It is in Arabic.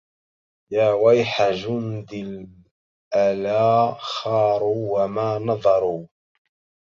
يا ويح جندي الألى خاروا وما نظروا